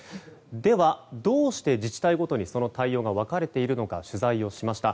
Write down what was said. では、どうして自治体ごとにその対応が分かれているのか取材をしました。